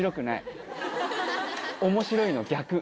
面白いの逆。